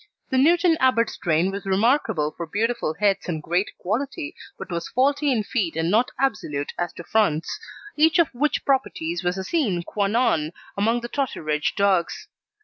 The Newton Abbot strain was remarkable for beautiful heads and great quality, but was faulty in feet and not absolute as to fronts, each of which properties was a sine qua non amongst the Totteridge dogs.